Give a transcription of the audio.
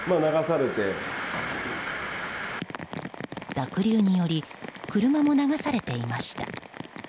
濁流により車も流されていました。